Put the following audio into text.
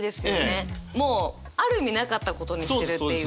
もうある意味なかったことにしてるっていうね。